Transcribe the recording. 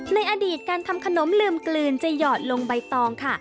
ในอดีตการทำขนมลืมกลืนจะหยอดลงใบตองค่ะ